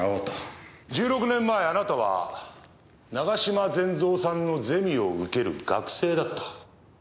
１６年前あなたは永嶋善三さんのゼミを受ける学生だった。